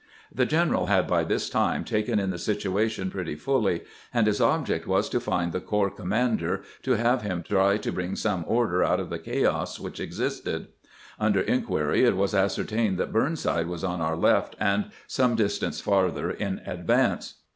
The general had by this time taken in the situa tion pretty fully, and his object was to find the corps commander, to have him try to bring some order out of the chaos which existed. Upon inquiry it was ascer tained that Burnside was on our left and some distance farther in advance.